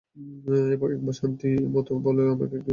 একবার শান্তিমত বলেন আমাকে কি সমস্যা।